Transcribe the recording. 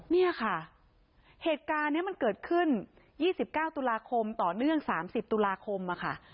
เนี่ยค่ะเหตุการณ์นี้มันเกิดขึ้น๒๙ตุลาคมต่อเนื่อง๓๐ตุลาคมค่ะ